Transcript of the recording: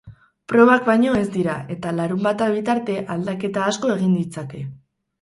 Probak baino ez dira eta larunbata bitarte aldaketa asko egin ditzake.